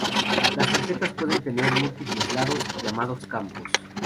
Las tarjetas pueden tener múltiples "lados", llamados campos.